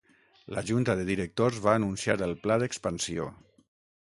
La junta de directors va anunciar el pla d'expansió.